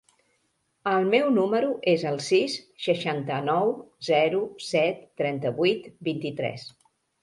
El meu número es el sis, seixanta-nou, zero, set, trenta-vuit, vint-i-tres.